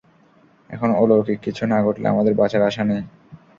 এখন অলৌকিক কিছু না ঘটলে আমাদের বাঁচার আশা নেই।